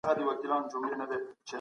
تحقیقي ادب موږ ته رښتینې لار راښيي.